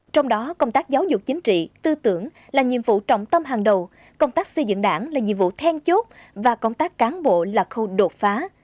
trong đó công tác giáo dục chính trị tư tưởng là nhiệm vụ trọng tâm hàng đầu công tác xây dựng đảng là nhiệm vụ then chốt và công tác cán bộ là khâu đột phá